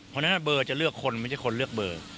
เพราะฉะนั้นเบอร์จะเลือกคนไม่ใช่คนเลือกเบอร์